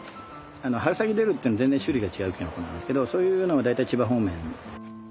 あの春先出るっていうのは全然種類が違うきのこなんですけどそういうのは大体千葉方面。